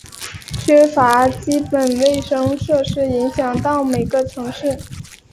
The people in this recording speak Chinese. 缺乏基本卫生设施影响到每个城市。